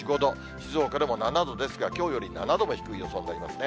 静岡でも７度ですが、きょうより７度も低い予想になりますね。